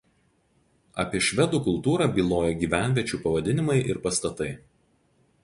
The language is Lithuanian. Apie švedų kultūrą byloja gyvenviečių pavadinimai ir pastatai.